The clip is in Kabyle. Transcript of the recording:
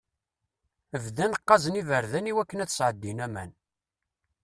Bɣan qqazen iberdan i wakken ad sɛeddin aman.